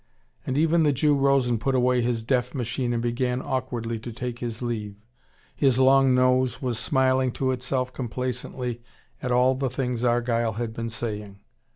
And even the Jew Rosen put away his deaf machine and began awkwardly to take his leave. His long nose was smiling to itself complacently at all the things Argyle had been saying.